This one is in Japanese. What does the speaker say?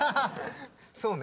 そうね。